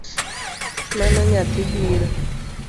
Mano nyathi biro?